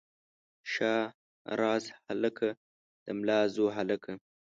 شاه زار هلکه د ملازو هلکه.